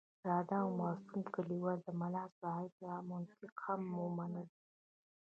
ساده او معصوم کلیوال د ملا صاحب دا منطق هم ومنلو.